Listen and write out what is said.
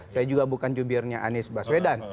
saya juga bukan jubirnya anies baswedan